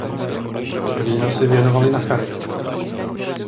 Výnosy věnovali na charitu.